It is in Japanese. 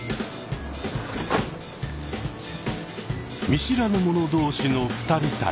見知らぬ者同士の二人旅。